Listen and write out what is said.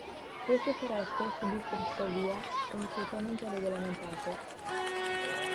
Queste foreste subiscono tuttavia uno sfruttamento regolamentato.